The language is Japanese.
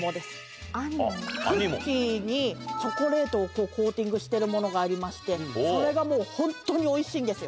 クッキーにチョコレートをコーティングしてるものがありましてそれがもうホントにおいしいんですよ。